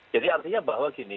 jadi artinya bahwa gini